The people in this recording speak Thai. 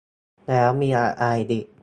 แล้วมีอะไรอีก